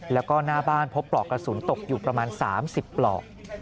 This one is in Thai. แล้วก็หน้าบ้านพบปลอกกระสุนตกอยู่ประมาณ๓๐ปลอก